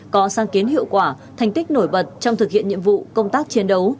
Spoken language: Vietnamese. có sáng kiến hiệu quả thành tích nổi bật trong thực hiện nhiệm vụ công tác chiến đấu